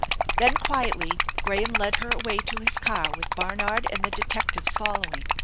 Then, quietly, Graham led her away to his car with Barnard and the detectives following.